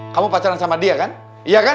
kamu pacaran sama dia kan iya kan